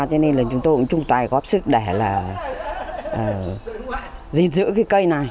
cho nên là chúng tôi cũng chung tài góp sức để là di dữ cái cây này